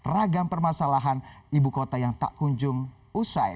ragam permasalahan ibu kota yang tak kunjung usai